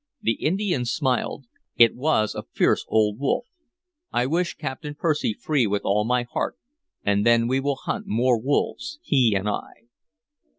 The Indian smiled. "It was a fierce old wolf. I wish Captain Percy free with all my heart, and then we will hunt more wolves, he and I."